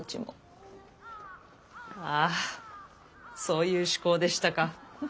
あそういう趣向でしたか。